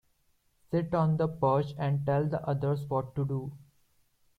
Sit on the perch and tell the others what to do.